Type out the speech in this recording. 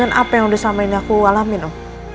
ya kamu tunggu dia di hotel ini